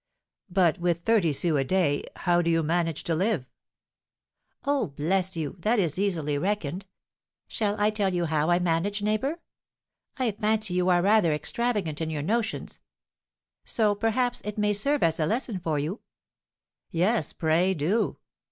"But with thirty sous a day, how do you manage to live?" "Oh, bless you! that is easily reckoned. Shall I tell you how I manage, neighbour? I fancy you are rather extravagant in your notions; so, perhaps, it may serve as a lesson for you." "Yes, pray do."